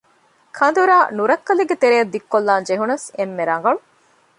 ކަނދުރާ ނުރައްކަލެއްގެ ތެރެއަށް ދިއްކޮށްލާން ޖެހުނަސް އެންމެ ރަނގަޅު